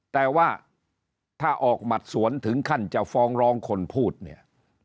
แต่ว่าถ้าออกหมัดสวนถึงขั้นจะฟ้องร้องคนพูดเนี่ย